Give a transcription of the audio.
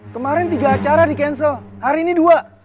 kemarin tiga acara di cancel hari ini dua